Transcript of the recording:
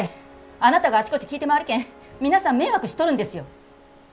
あなたがあちこち聞いて回るけん皆さん迷惑しとるんですよ。